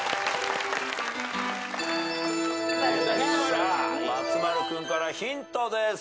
さあ松丸君からヒントです。